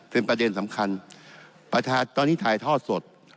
เป็นประเด็นสำคัญตอนนี้ถ่ายทอดสด